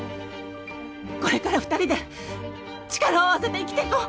これから２人で力を合わせて生きていこう。